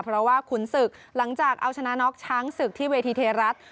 เพราะว่าขุนศึกหลังจากเอาชนะน็อกช้างศึกที่เวทีไทยรัฐ